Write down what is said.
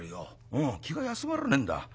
うん気が休まらねえんだ。